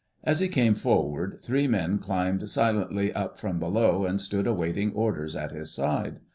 As he came forward, three men climbed silently up from below and stood awaiting orders at his side.